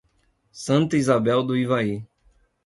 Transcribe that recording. Santa Isabel do Ivaí